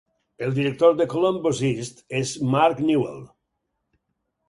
El director de Columbus East és Mark Newell.